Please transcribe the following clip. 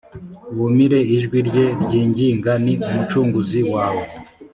Wumire ijwi rye ryinginga ni umucunguzi wawe